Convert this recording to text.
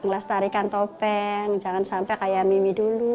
ngelas tarikan topeng jangan sampai kayak mimi dulu